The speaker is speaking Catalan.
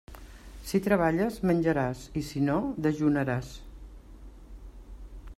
Si treballes, menjaràs; i si no, dejunaràs.